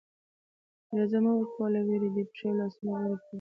اجازه مه ورکوه له وېرې دې پښې او لاسونه ورپېږي.